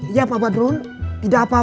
iya pak badrun tidak apa apa